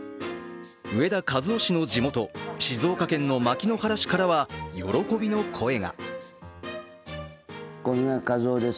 植田和男氏の地元、静岡県の牧之原市からは喜びの声が。